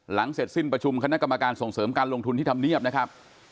เสร็จสิ้นประชุมคณะกรรมการส่งเสริมการลงทุนที่ทำเนียบนะครับ